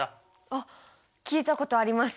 あ聞いたことあります！